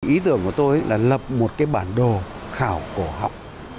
ý tưởng của tôi là lập một cái bản đồ khảo cổ học